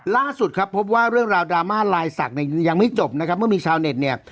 ล่าสุดครับพบว่าเรื่องราวดราม่าลายศักดิ์เนี่ยยังไม่จบนะครับเมื่อมีชาวเน็ตเนี่ย